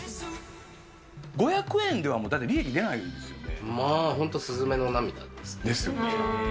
５００円ではもう、利益出なまあ、ですよね。